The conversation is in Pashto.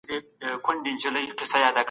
هغه اتلان چي په تاريخ کي دي بايد ياد سي.